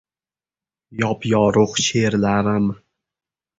Yop-yorug‘ she’rlarim.